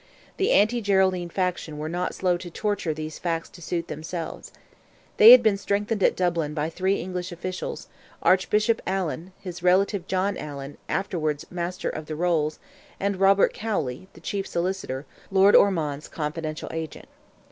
The anti Geraldine faction were not slow to torture these facts to suit themselves. They had been strengthened at Dublin by three English officials, Archbishop Allan, his relative John Allan, afterwards Master of the Rolls, and Robert Cowley, the Chief Solicitor, Lord Ormond's confidential agent.